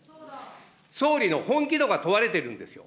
総理の本気度が問われてるんですよ。